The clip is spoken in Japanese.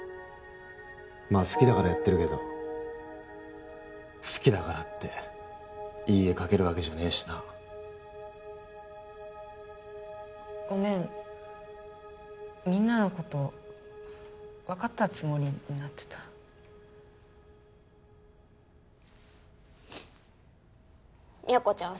まあ好きだからやってるけど好きだからっていい絵描けるわけじゃねえしなごめんみんなのこと分かったつもりになってた都ちゃん